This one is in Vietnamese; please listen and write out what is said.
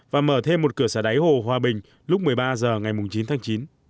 và mở thêm một cửa xả đáy hồ hòa bình lúc một mươi ba giờ ngày chín tháng chín